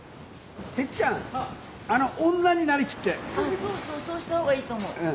そうそうそうした方がいいと思う。